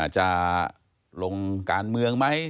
จะลงการเมืองไหม